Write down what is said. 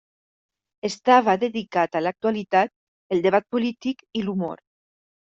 Estava dedicat a l'actualitat, el debat polític i l'humor.